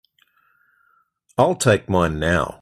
I'll take mine now.